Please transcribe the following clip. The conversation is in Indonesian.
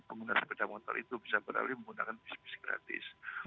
pengguna sepeda motor itu bisa beralih menggunakan bis bis gratis